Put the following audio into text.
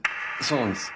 そうなんです。